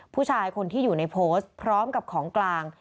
ผู้ชายคนที่อยู่ในโพสต์พร้อมกับของกลาง